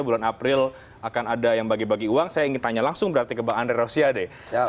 bulan april akan ada yang bagi bagi uang saya ingin tanya langsung berarti ke bang andre rosiade